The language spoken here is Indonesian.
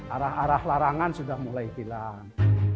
arah arah larangan sudah mulai hilang